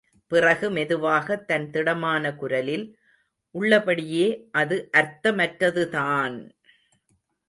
பிறகு மெதுவாக தன் திடமான குரலில் உள்ளபடியே அது அர்த்தமற்றதுதான்!